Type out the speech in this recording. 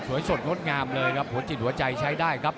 สดงดงามเลยครับหัวจิตหัวใจใช้ได้ครับ